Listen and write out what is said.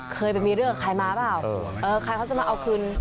เคยไปมีเรื่องกับใครมาเปล่าเออใครเขาจะมาเอาคืน